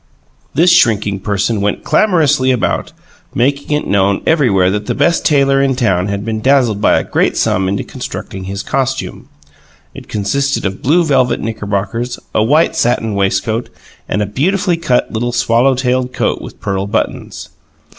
This shrinking person went clamorously about, making it known everywhere that the best tailor in town had been dazzled by a great sum into constructing his costume. It consisted of blue velvet knickerbockers, a white satin waistcoat, and a beautifully cut little swallow tailed coat with pearl buttons.